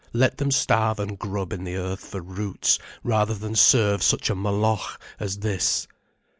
Let them starve and grub in the earth for roots, rather than serve such a Moloch as this.